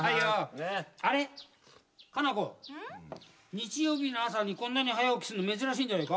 日曜日の朝にこんなに早起きするの珍しいんじゃないか？